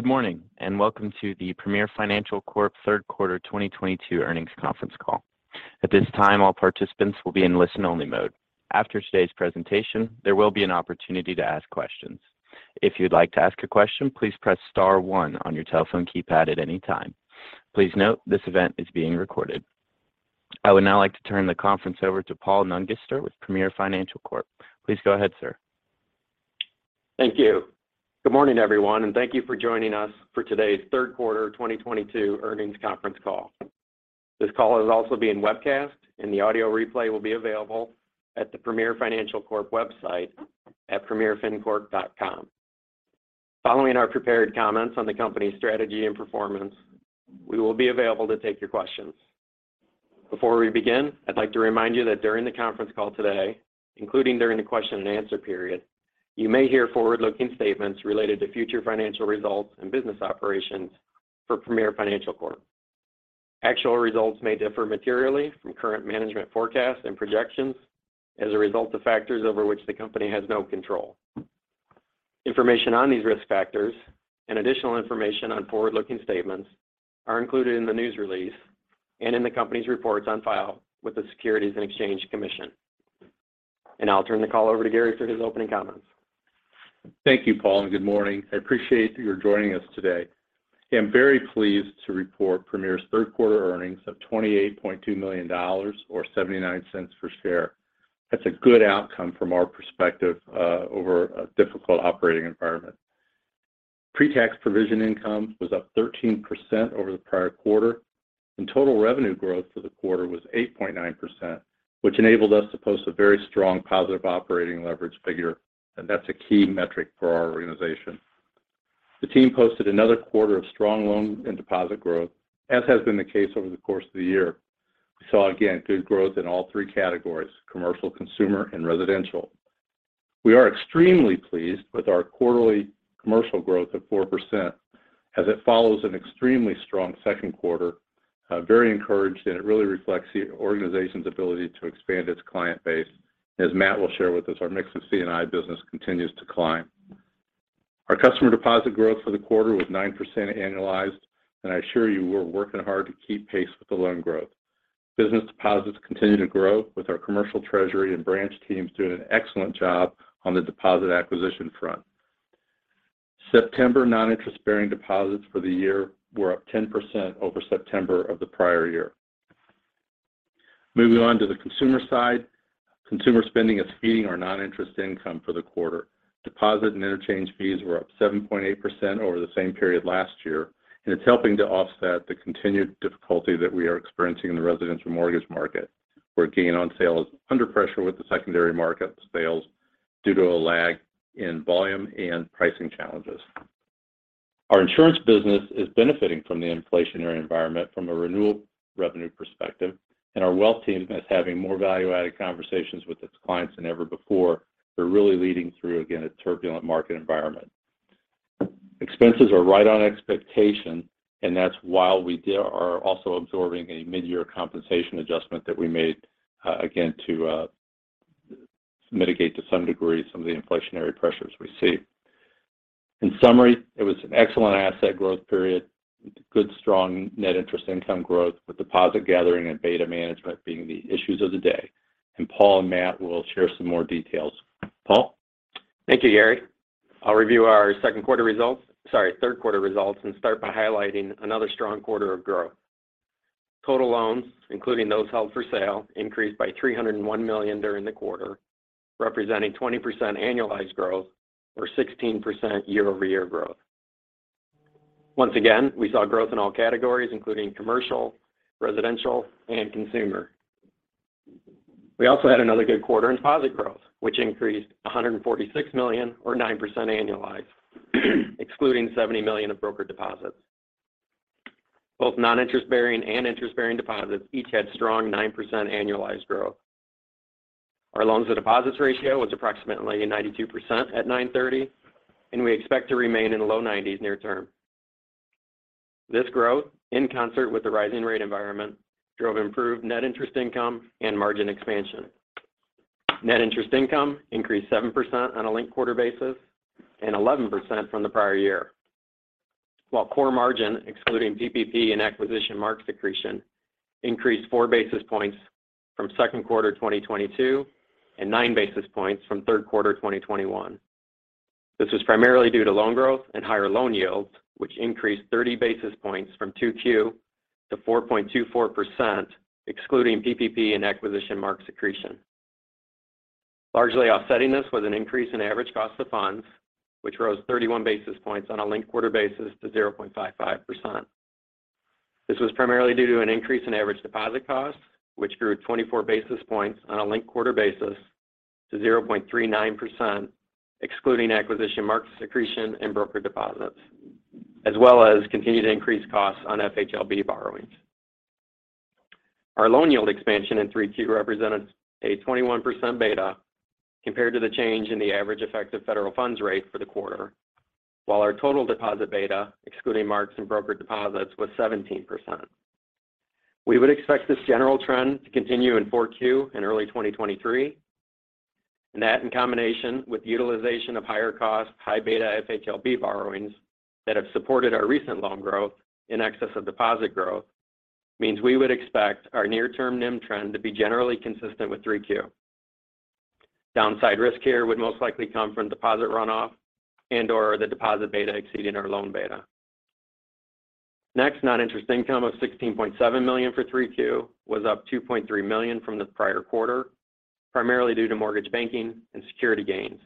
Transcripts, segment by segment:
Good Morning and Welcome to the Premier Financial Corp. Q3 2022 Earnings Conference Call. I would now like to turn the conference over to Paul Nungester with Premier Financial Corp. Please go ahead, sir. Thank you. Good morning, everyone, and thank you for joining us for today's Q3 2022 earnings conference call. This call is also being webcast, and the audio replay will be available at the Premier Financial Corp. website at PremierFinCorp.com. Following our prepared comments on the company's strategy and performance, we will be available to take your questions. Before we begin, I'd like to remind you that during the conference call today, including during the question and answer period, you may hear forward-looking statements related to future financial results and business operations for Premier Financial Corp. Actual results may differ materially from current management forecasts and projections as a result of factors over which the company has no control. Information on these risk factors and additional information on forward-looking statements are included in the news release and in the company's reports on file with the Securities and Exchange Commission. I'll turn the call over to Gary for his opening comments. Thank you, Paul, and good morning. I appreciate you joining us today. I'm very pleased to report Premier's Q3 earnings of $28.2 million or $0.79 per share. That's a good outcome from our perspective over a difficult operating environment. Pre-tax, pre-provision income was up 13% over the prior quarter, and total revenue growth for the quarter was 8.9%, which enabled us to post a very strong positive operating leverage figure. That's a key metric for our organization. The team posted another quarter of strong loan and deposit growth, as has been the case over the course of the year. We saw again good growth in all three categories, commercial, consumer, and residential. We are extremely pleased with our quarterly commercial growth of 4% as it follows an extremely strong Q2. Very encouraged, it really reflects the organization's ability to expand its client base. As Matt will share with us, our mix of C&I business continues to climb. Our customer deposit growth for the quarter was 9% annualized, and I assure you we're working hard to keep pace with the loan growth. Business deposits continue to grow with our commercial treasury and branch teams doing an excellent job on the deposit acquisition front. September noninterest-bearing deposits for the year were up 10% over September of the prior year. Moving on to the consumer side. Consumer spending is feeding our noninterest income for the quarter. Deposit and interchange fees were up 7.8% over the same period last year, and it's helping to offset the continued difficulty that we are experiencing in the residential mortgage market. We're again on sale under pressure with the secondary market sales due to a lag in volume and pricing challenges. Our insurance business is benefiting from the inflationary environment from a renewal revenue perspective, and our wealth team is having more value-added conversations with its clients than ever before. They're really leading through, again, a turbulent market environment. Expenses are right on expectation, and that's while we are also absorbing a mid-year compensation adjustment that we made again to mitigate to some degree some of the inflationary pressures we see. In summary, it was an excellent asset growth period with good, strong net interest income growth, with deposit gathering and beta management being the issues of the day. Paul and Matt will share some more details. Paul. Thank you, Gary. I'll review our Q3 results and start by highlighting another strong quarter of growth. Total loans, including those held for sale, increased by $301 million during the quarter, representing 20% annualized growth or 16% year-over-year growth. Once again, we saw growth in all categories, including commercial, residential, and consumer. We also had another good quarter in deposit growth, which increased $146 million or 9% annualized, excluding $70 million of broker deposits. Both non-interest bearing and interest-bearing deposits each had strong 9% annualized growth. Our loans to deposits ratio was approximately 92% at September 30, and we expect to remain in low 90s near term. This growth, in concert with the rising rate environment, drove improved net interest income and margin expansion. Net interest income increased 7% on a linked quarter basis and 11% from the prior year. Core margin, excluding PPP and acquisition mark accretion, increased 4 basis points from Q2 2022 and 9 basis points from Q3 2021. This was primarily due to loan growth and higher loan yields, which increased 30 basis points from 2Q to 4.24%, excluding PPP and acquisition mark accretion. Largely offsetting this was an increase in average cost of funds, which rose 31 basis points on a linked quarter basis to 0.55%. This was primarily due to an increase in average deposit costs, which grew 24 basis points on a linked quarter basis to 0.39%, excluding acquisition mark accretion and broker deposits, as well as continued increased costs on FHLB borrowings. Our loan yield expansion in 3Q represented a 21% beta compared to the change in the average effective federal funds rate for the quarter. While our total deposit beta, excluding marks and broker deposits, was 17%. We would expect this general trend to continue in 4Q and early 2023. That in combination with utilization of higher-cost, high beta FHLB borrowings that have supported our recent loan growth in excess of deposit growth, means we would expect our near-term NIM trend to be generally consistent with 3Q. Downside risk here would most likely come from deposit runoff and/or the deposit beta exceeding our loan beta. Next, non-interest income of $16.7 million for 3Q was up $2.3 million from the prior quarter, primarily due to mortgage banking and securities gains.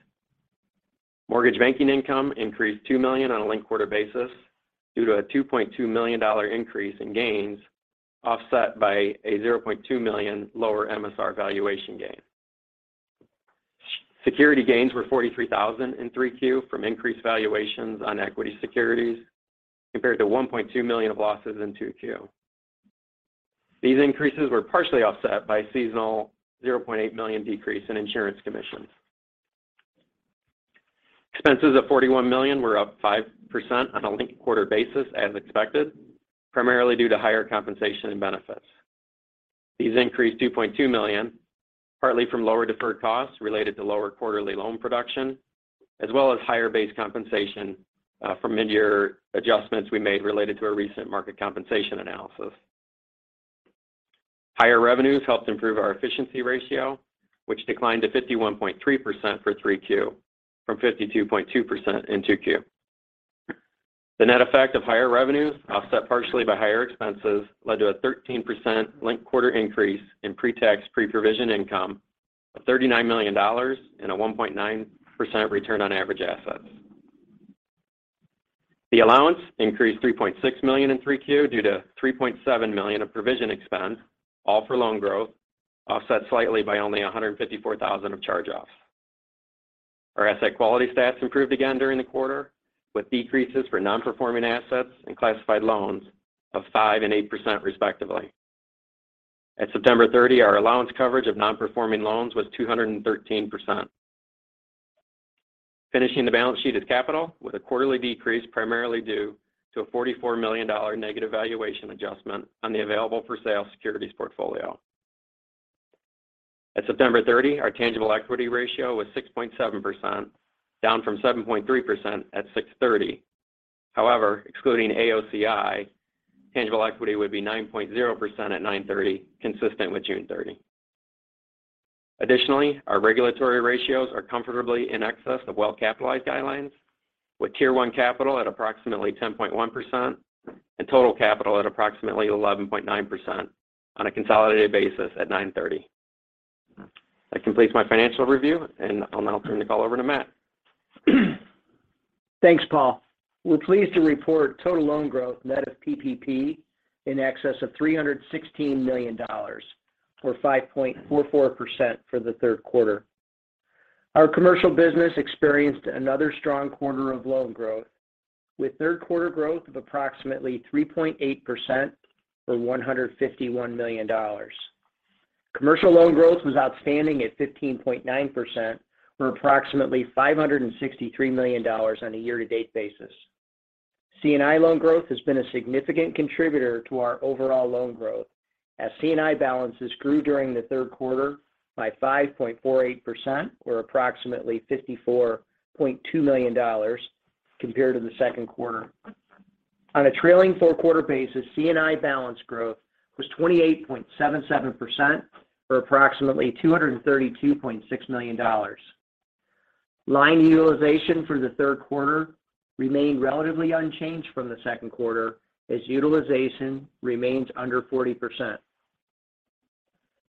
Mortgage banking income increased $2 million on a linked quarter basis due to a $2.2 million increase in gains, offset by a $0.2 million lower MSR valuation gain. Securities gains were $43,000 in 3Q from increased valuations on equity securities compared to $1.2 million of losses in 2Q. These increases were partially offset by seasonal $0.8 million decrease in insurance commissions. Expenses of $41 million were up 5% on a linked quarter basis as expected, primarily due to higher compensation and benefits. These increased $2.2 million, partly from lower deferred costs related to lower quarterly loan production, as well as higher base compensation, from mid-year adjustments we made related to our recent market compensation analysis. Higher revenues helped improve our efficiency ratio, which declined to 51.3% for 3Q from 52.2% in 2Q. The net effect of higher revenues offset partially by higher expenses led to a 13% linked quarter increase in pre-tax, pre-provision income of $39 million and a 1.9% return on average assets. The allowance increased $3.6 million in 3Q due to $3.7 million of provision expense, all for loan growth, offset slightly by only $154,000 of charge-offs. Our asset quality stats improved again during the quarter, with decreases for non-performing assets and classified loans of 5% and 8% respectively. At September 30, our allowance coverage of non-performing loans was 213%. Finishing the balance sheet is capital with a quarterly decrease primarily due to a $44 million negative valuation adjustment on the available-for-sale securities portfolio. At September 30, our tangible equity ratio was 6.7%, down from 7.3% at June 30. However, excluding AOCI, tangible equity would be 9.0% at September 30, consistent with June 30. Additionally, our regulatory ratios are comfortably in excess of well-capitalized guidelines with tier one capital at approximately 10.1% and total capital at approximately 11.9% on a consolidated basis at September 30. That completes my financial review, and I'll now turn the call over to Matt. Thanks, Paul. We're pleased to report total loan growth net of PPP in excess of $316 million or 5.44% for the Q3. Our commercial business experienced another strong quarter of loan growth with Q3 growth of approximately 3.8% or $151 million. Commercial loan growth was outstanding at 15.9% or approximately $563 million on a year-to-date basis. C&I loan growth has been a significant contributor to our overall loan growth as C&I balances grew during the Q3 by 5.48% or approximately $54.2 million compared to the Q2. On a trailing Q4 basis, C&I balance growth was 28.77% or approximately $232.6 million. Line utilization for the Q3 remained relatively unchanged from the Q2 as utilization remains under 40%.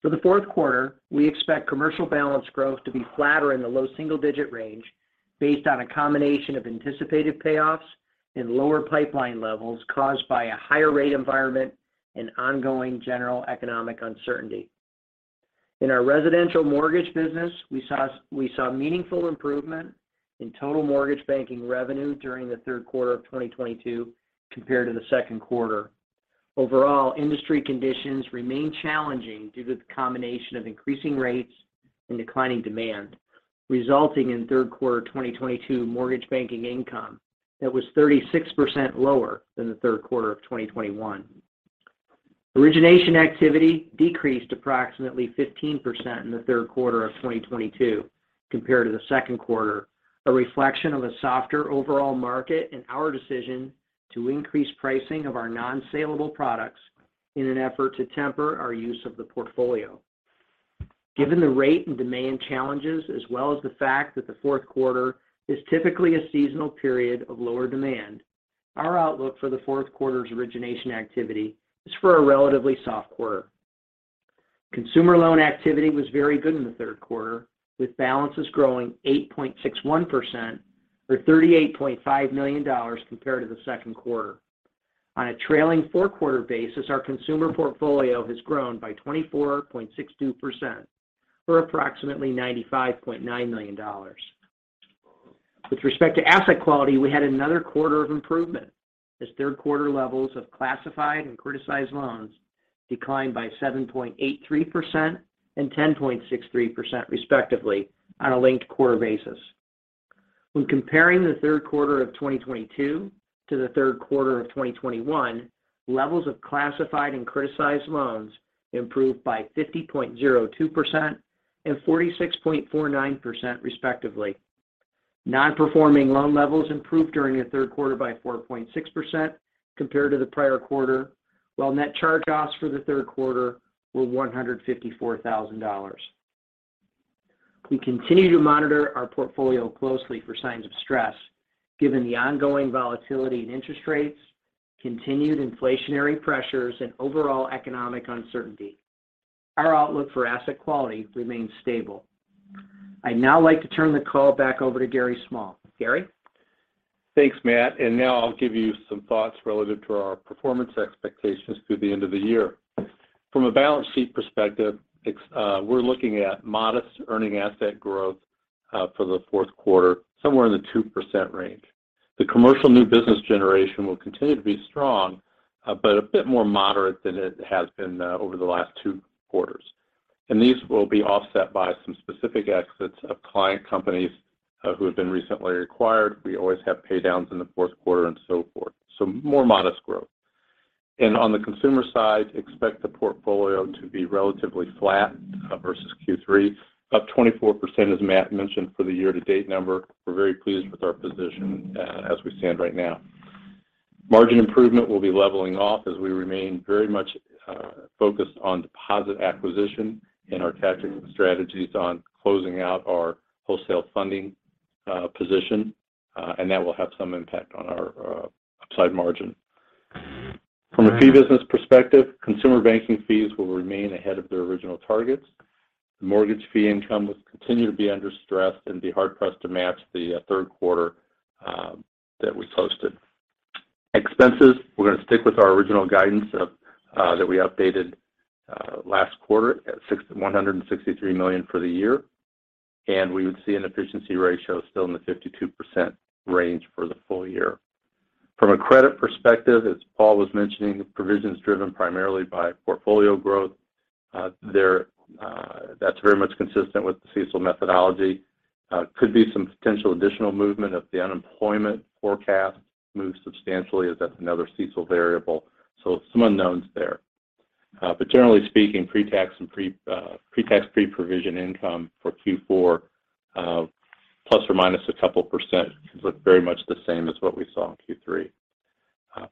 For the Q4, we expect commercial balance growth to be flat or in the low single-digit range based on a combination of anticipated payoffs and lower pipeline levels caused by a higher rate environment and ongoing general economic uncertainty. In our residential mortgage business, we saw meaningful improvement in total mortgage banking revenue during the Q3 of 2022 compared to the Q2. Overall, industry conditions remain challenging due to the combination of increasing rates and declining demand, resulting in Q3 2022 mortgage banking income that was 36% lower than the Q3 of 2021. Origination activity decreased approximately 15% in the Q3 of 2022 compared to the Q2, a reflection of a softer overall market and our decision to increase pricing of our non-saleable products in an effort to temper our use of the portfolio. Given the rate and demand challenges, as well as the fact that the Q4 is typically a seasonal period of lower demand, our outlook for the Q4's origination activity is for a relatively soft quarter. Consumer loan activity was very good in the Q3, with balances growing 8.61% or $38.5 million compared to the Q2. On a trailing Q4 basis, our consumer portfolio has grown by 24.62% or approximately $95.9 million. With respect to asset quality, we had another quarter of improvement as Q3 levels of classified and criticized loans declined by 7.83% and 10.63% respectively on a linked quarter basis. When comparing the Q3 of 2022 to the Q3 of 2021, levels of classified and criticized loans improved by 50.02% and 46.49% respectively. Non-performing loan levels improved during the Q3 by 4.6% compared to the prior quarter, while net charge-offs for the Q3 were $154,000. We continue to monitor our portfolio closely for signs of stress, given the ongoing volatility in interest rates, continued inflationary pressures, and overall economic uncertainty. Our outlook for asset quality remains stable. I'd now like to turn the call back over to Gary Small. Gary? Thanks, Matt. Now I'll give you some thoughts relative to our performance expectations through the end of the year. From a balance sheet perspective, we're looking at modest earning asset growth for the Q4, somewhere in the 2% range. The commercial new business generation will continue to be strong, but a bit more moderate than it has been over the last 2 quarters. These will be offset by some specific exits of client companies who have been recently acquired. We always have paydowns in the Q4 and so forth. More modest growth. On the consumer side, expect the portfolio to be relatively flat versus Q3. Up 24%, as Matt mentioned, for the year-to-date number. We're very pleased with our position as we stand right now. Margin improvement will be leveling off as we remain very much focused on deposit acquisition and our tactics and strategies on closing out our wholesale funding position and that will have some impact on our upside margin. From a fee business perspective, consumer banking fees will remain ahead of their original targets. Mortgage fee income will continue to be under stress and be hard-pressed to match the Q3 that we posted. Expenses, we're going to stick with our original guidance of that we updated last quarter at $161 million for the year. We would see an efficiency ratio still in the 52% range for the full year. From a credit perspective, as Paul was mentioning, provisions driven primarily by portfolio growth. That's very much consistent with the CECL methodology. Could be some potential additional movement if the unemployment forecast moves substantially, as that's another CECL variable. Some unknowns there. Generally speaking, pre-tax, pre-provision income for Q4, plus or minus a couple % should look very much the same as what we saw in Q3.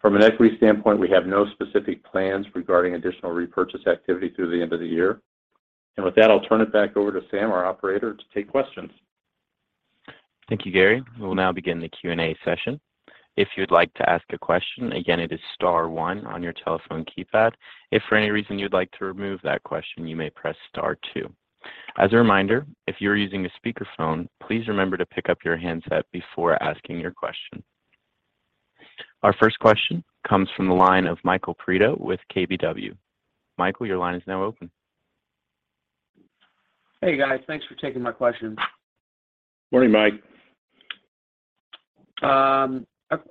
From an equity standpoint, we have no specific plans regarding additional repurchase activity through the end of the year. With that, I'll turn it back over to Sam, our operator, to take questions. Thank you, Gary. We will now begin the Q&A session. If you'd like to ask a question, again, it is star one on your telephone keypad. If for any reason you'd like to remove that question, you may press star two. As a reminder, if you're using a speakerphone, please remember to pick up your handset before asking your question. Our first question comes from the line of Michael Perito with KBW. Michael, your line is now open. Hey, guys. Thanks for taking my question. Morning, Mike.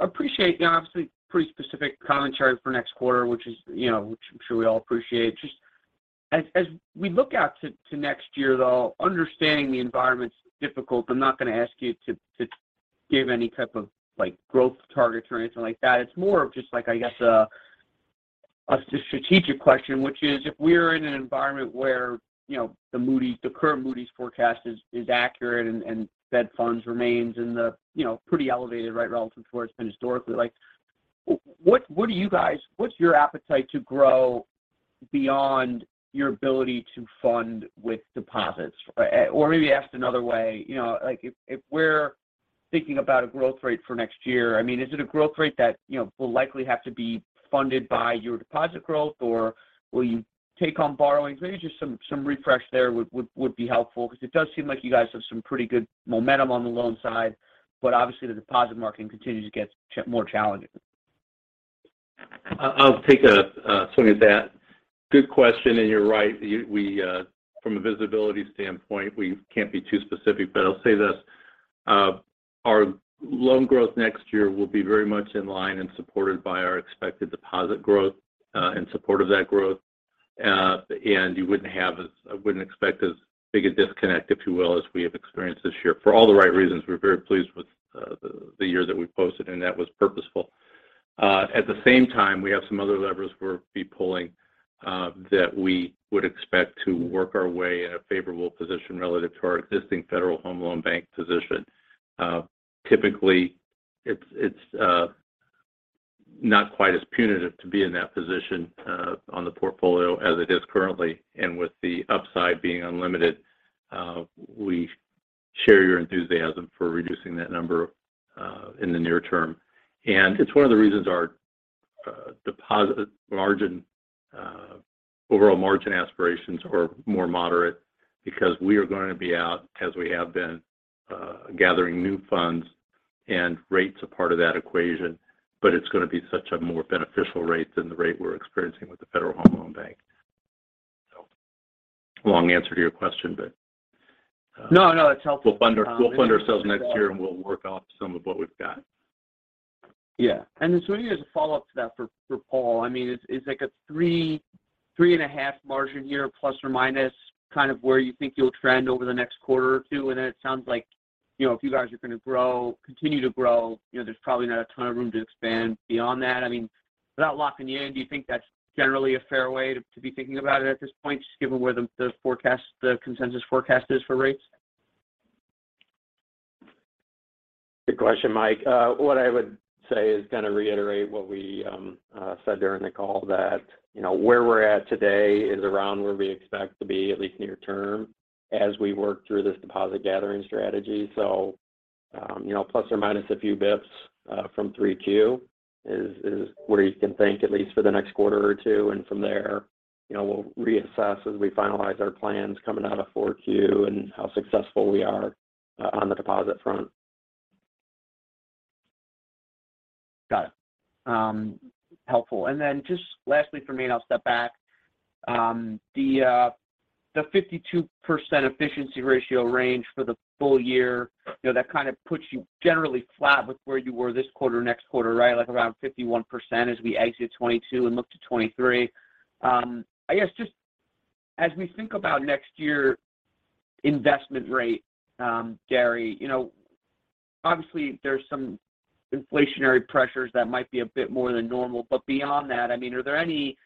Appreciate the obviously pretty specific commentary for next quarter, which, you know, I'm sure we all appreciate. As we look out to next year, though, understanding the environment's difficult, I'm not going to ask you to give any type of like growth targets or anything like that. It's more of just like, I guess, a strategic question, which is if we're in an environment where, you know, the current Moody's forecast is accurate and Fed funds remains in the, you know, pretty elevated rate relative to where it's been historically. Like, what do you guys- what's your appetite to grow beyond your ability to fund with deposits? Maybe asked another way, you know, like if we're thinking about a growth rate for next year, I mean, is it a growth rate that, you know, will likely have to be funded by your deposit growth, or will you take on borrowings? Maybe just some refresh there would be helpful because it does seem like you guys have some pretty good momentum on the loan side, but obviously the deposit market continues to get more challenging. I'll take a swing at that. Good question, you're right. We, from a visibility standpoint, can't be too specific, but I'll say this. Our loan growth next year will be very much in line and supported by our expected deposit growth, in support of that growth. You wouldn't expect as big a disconnect, if you will, as we have experienced this year. For all the right reasons, we're very pleased with the year that we posted, and that was purposeful. At the same time, we have some other levers we'll be pulling, that we would expect to work our way in a favorable position relative to our existing Federal Home Loan Bank position. Typically, it's not quite as punitive to be in that position on the portfolio as it is currently. With the upside being unlimited, we share your enthusiasm for reducing that number in the near term. It's one of the reasons our deposit margin overall margin aspirations are more moderate because we are going to be out, as we have been, gathering new funds and rates are part of that equation, but it's going to be such a more beneficial rate than the rate we're experiencing with the Federal Home Loan Bank. Long answer to your question, but No, no, that's helpful. We'll fund ourselves next year, and we'll work off some of what we've got. Yeah. Here's a follow-up to that for Paul. I mean, it's like a 3.5% margin year ± kind of where you think you'll trend over the next quarter or two. It sounds like, you know, if you guys are gonna grow, continue to grow, you know, there's probably not a ton of room to expand beyond that. I mean, without locking you in, do you think that's generally a fair way to be thinking about it at this point, just given where the consensus forecast is for rates? Good question, Mike. What I would say is kind of reiterate what we said during the call that, you know, where we're at today is around where we expect to be at least near term as we work through this deposit gathering strategy. You know, plus or minus a few bits from 3Q is where you can think at least for the next quarter or two. From there, you know, we'll reassess as we finalize our plans coming out of 4Q and how successful we are on the deposit front. Got it. Helpful. Then just lastly from me and I'll step back. The 52% efficiency ratio range for the full year, you know, that kind of puts you generally flat with where you were this quarter, next quarter, right? Like around 51% as we exit 2022 and look to 2023. I guess just as we think about next year investment rate, Gary, you know, obviously there's some inflationary pressures that might be a bit more than normal. But beyond that, I mean, are there any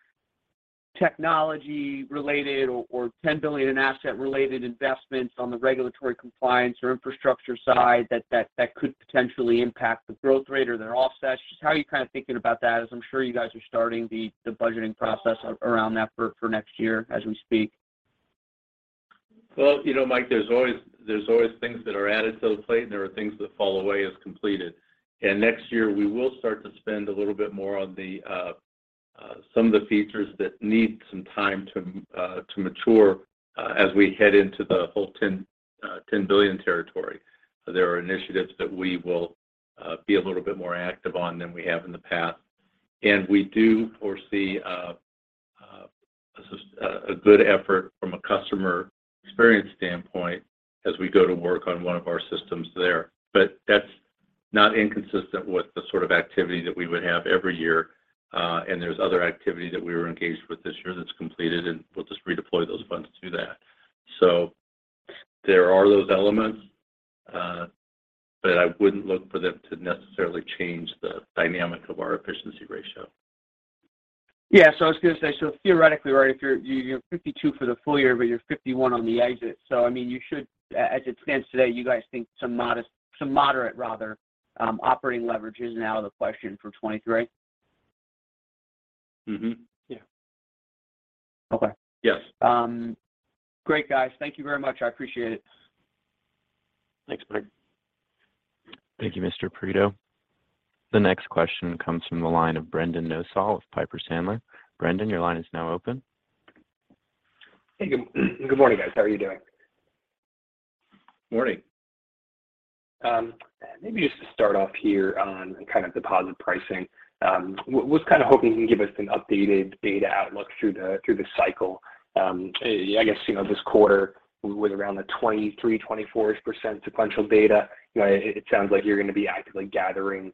technology-related or $10 billion in asset-related investments on the regulatory compliance or infrastructure side that could potentially impact the growth rate or they're offset? Just how are you kind of thinking about that, as I'm sure you guys are starting the budgeting process around that for next year as we speak? Well, you know, Mike, there's always things that are added to the plate, and there are things that fall away as completed. Next year we will start to spend a little bit more on some of the features that need some time to mature as we head into the whole 10 billion territory. There are initiatives that we will be a little bit more active on than we have in the past. We do foresee a good effort from a customer experience standpoint as we go to work on one of our systems there. That's not inconsistent with the sort of activity that we would have every year. There's other activity that we were engaged with this year that's completed, and we'll just redeploy those funds to that. There are those elements, but I wouldn't look for them to necessarily change the dynamic of our efficiency ratio. Theoretically, right, if you're 52 for the full year, but you're 51 on the exit. I mean, as it stands today, you guys think some moderate rather operating leverage is now the question for 2023. Mm-hmm. Yeah. Okay. Yes. Great guys. Thank you very much, I appreciate it. Thanks, Mike. Thank you, Mr. Perito. The next question comes from the line of Brendan Nosal with Piper Sandler. Brendan, your line is now open. Hey, good morning, guys. How are you doing? Morning. Maybe just to start off here on kind of deposit pricing. What kind of hoping you can give us an updated beta outlook through the cycle? I guess, you know, this quarter we was around the 23, 24-ish% sequential delta. You know, it sounds like you're gonna be actively gathering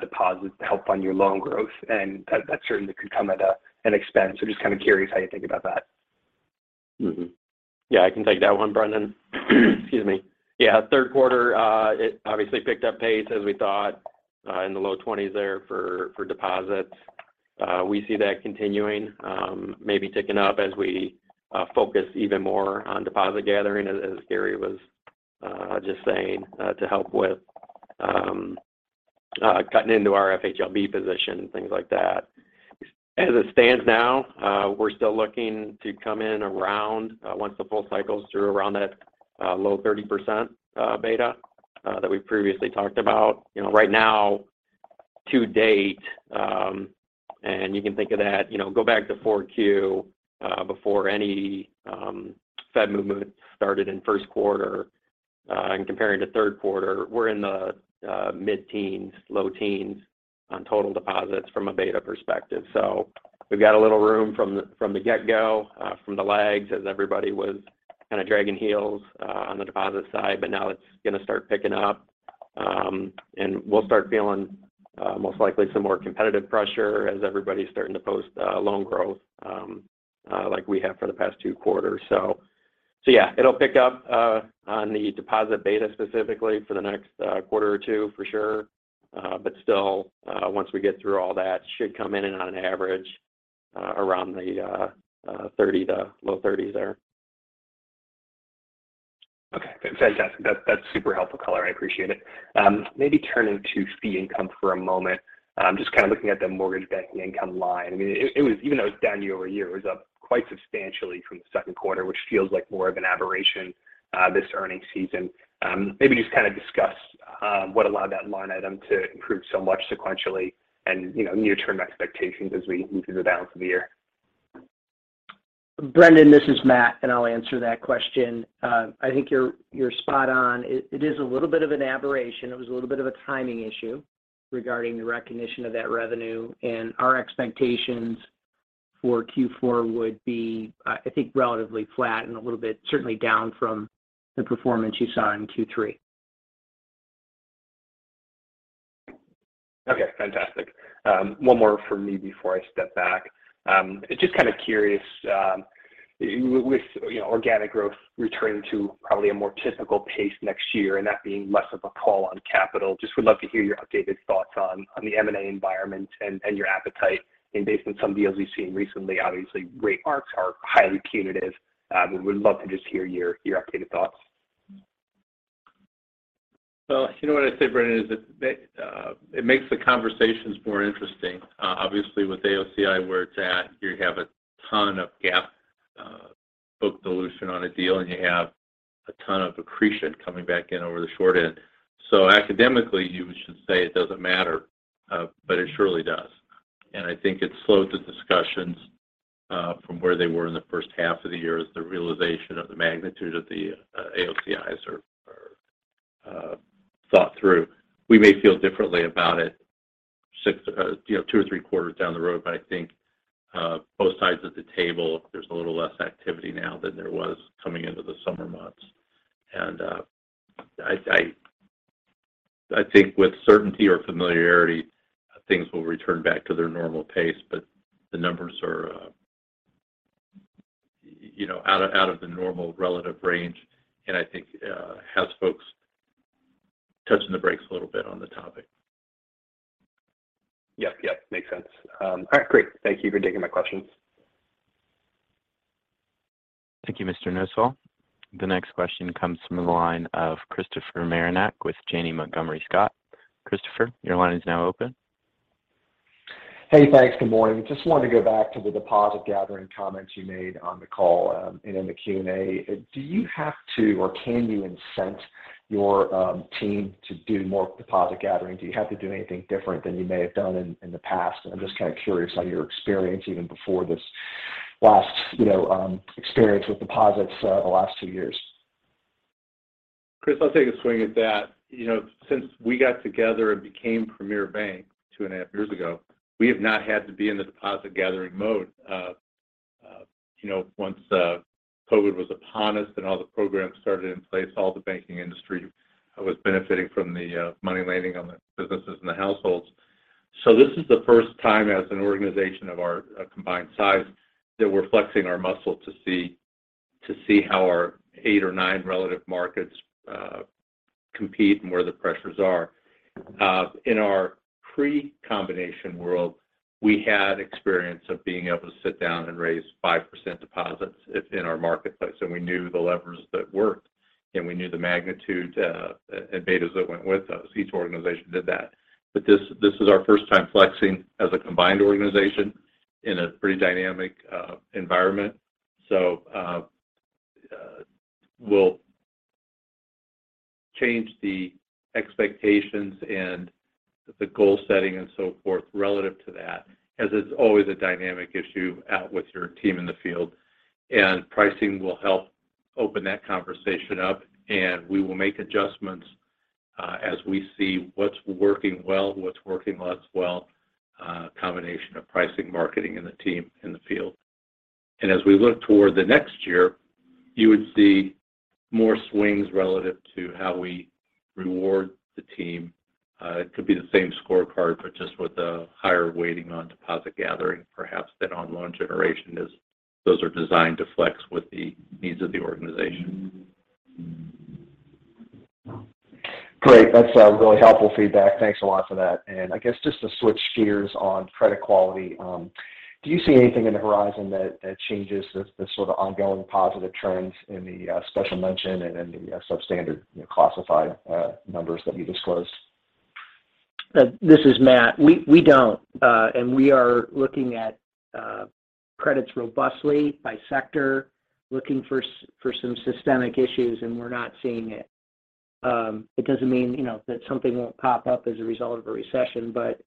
deposits to help fund your loan growth, and that certainly could come at an expense. Just kind of curious how you think about that. I can take that one, Brendan. Q3, it obviously picked up pace as we thought, in the low 20s% there for deposits. We see that continuing, maybe ticking up as we focus even more on deposit gathering as Gary was just saying, to help with cutting into our FHLB position and things like that. As it stands now, we're still looking to come in around, once the full cycle's through around that low 30% beta that we previously talked about. You know, right now to date, and you can think of that, you know, go back to Q4 before any Fed movement started in Q1, and comparing to Q3, we're in the mid-teens%, low teens% on total deposits from a beta perspective. We've got a little room from the get-go from the lags as everybody was kind of dragging heels on the deposit side. Now it's gonna start picking up, and we'll start feeling most likely some more competitive pressure as everybody's starting to post loan growth like we have for the past two quarters. Yeah, it'll pick up on the deposit beta specifically for the next quarter or two for sure. Still, once we get through all that should come in and on an average, 30 to low 30s there. Okay, fantastic. That's super helpful color. I appreciate it. Maybe turning to fee income for a moment. Just kind of looking at the mortgage banking income line. I mean, it was even though it was down year-over-year, it was up quite substantially from the Q2, which feels like more of an aberration this earnings season. Maybe just kind of discuss what allowed that line item to improve so much sequentially and, you know, near-term expectations as we move through the balance of the year. Brendan, this is Matt. I'll answer that question. I think you're spot on. It is a little bit of an aberration. It was a little bit of a timing issue regarding the recognition of that revenue, and our expectations for Q4 would be, I think relatively flat and a little bit certainly down from the performance you saw in Q3. Okay. Fantastic. One more from me before I step back. Just kind of curious, with, you know, organic growth returning to probably a more typical pace next year and that being less of a call on capital, just would love to hear your updated thoughts on the M&A environment and your appetite. Based on some deals we've seen recently, obviously rate hikes are highly punitive. Would love to just hear your updated thoughts. Well, you know what I'd say, Brendan, is that it makes the conversations more interesting. Obviously with AOCI where it's at, you have a ton of GAAP book dilution on a deal, and you have a ton of accretion coming back in over the short end. Academically, you should say it doesn't matter, but it surely does. I think it slowed the discussions from where they were in the first half of the year as the realization of the magnitude of the AOCIs are thought through. We may feel differently about it, you know, two or Q3 down the road. I think both sides of the table, there's a little less activity now than there was coming into the summer months. I think with certainty or familiarity, things will return back to their normal pace, but the numbers are, you know, out of the normal relative range and I think has folks touching the brakes a little bit on the topic. Yep. Makes sense. All right. Great. Thank you for taking my questions. Thank you, Mr. Nosal. The next question comes from the line of Christopher Marinac with Janney Montgomery Scott. Christopher, your line is now open. Hey, thanks. Good morning. Just wanted to go back to the deposit gathering comments you made on the call and in the Q&A. Do you have to or can you incent your team to do more deposit gathering? Do you have to do anything different than you may have done in the past? I'm just kind of curious on your experience even before this last, you know, experience with deposits, the last two years. Chris, I'll take a swing at that. You know, since we got together and became Premier Bank two and a half years ago, we have not had to be in the deposit gathering mode. You know, once COVID was upon us and all the programs started in place, all the banking industry was benefiting from the money landing on the businesses and the households. This is the first time as an organization of our combined size that we're flexing our muscle to see how our eight or nine relative markets compete and where the pressures are. In our pre-combination world, we had experience of being able to sit down and raise 5% deposits in our marketplace, and we knew the levers that worked, and we knew the magnitude and betas that went with those. Each organization did that. This is our first time flexing as a combined organization in a pretty dynamic environment. We'll change the expectations and the goal setting and so forth relative to that, as is always a dynamic issue out with your team in the field. Pricing will help open that conversation up, and we will make adjustments as we see what's working well, what's working less well, combination of pricing, marketing and the team in the field. As we look toward the next year, you would see more swings relative to how we reward the team. It could be the same scorecard, but just with a higher weighting on deposit gathering perhaps than on loan generation as those are designed to flex with the needs of the organization. Great. That's really helpful feedback. Thanks a lot for that. I guess just to switch gears on credit quality, do you see anything in the horizon that changes the sort of ongoing positive trends in the special mention and in the substandard, you know, classified numbers that you disclosed? This is Matt. We don't. We are looking at credits robustly by sector, looking for some systemic issues, and we're not seeing it. It doesn't mean, you know, that something won't pop up as a result of a recession, but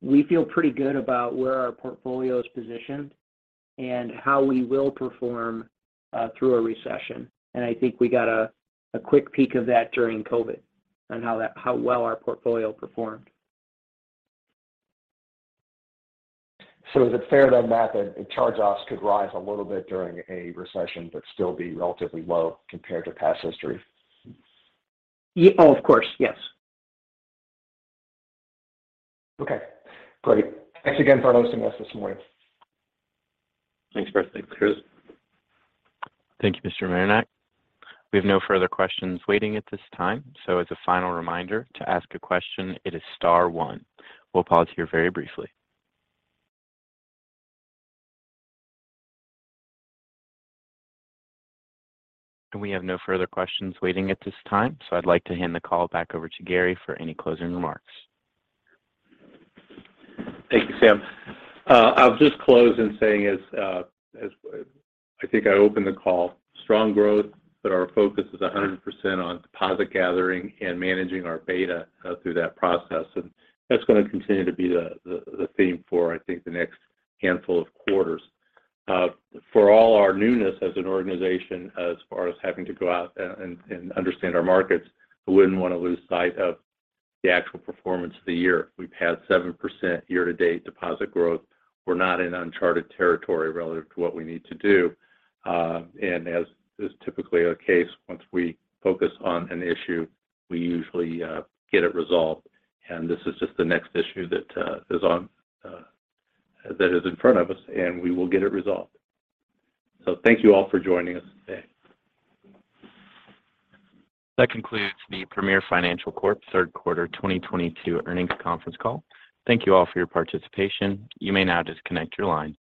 we feel pretty good about where our portfolio is positioned and how we will perform through a recession. I think we got a quick peek of that during COVID on how well our portfolio performed. Is it fair then, Matt, that charge-offs could rise a little bit during a recession but still be relatively low compared to past history? Oh, of course, yes. Okay, great. Thanks again for hosting us this morning. Thanks, Chris. Thank you, Mr. Marinac. We have no further questions waiting at this time. As a final reminder, to ask a question, it is star one. We'll pause here very briefly. We have no further questions waiting at this time, so I'd like to hand the call back over to Gary for any closing remarks. Thank you, Sam. I'll just close in saying as I think I opened the call. Strong growth, but our focus is 100% on deposit gathering and managing our beta through that process. That's gonna continue to be the theme for, I think, the next handful of quarters. For all our newness as an organization as far as having to go out and understand our markets, I wouldn't wanna lose sight of the actual performance of the year. We've had 7% year-to-date deposit growth. We're not in uncharted territory relative to what we need to do. As is typically a case, once we focus on an issue, we usually get it resolved. This is just the next issue that is in front of us, and we will get it resolved. Thank you all for joining us today. That concludes the Premier Financial Corp. Q3 2022 earnings conference call. Thank you all for your participation. You may now disconnect your line.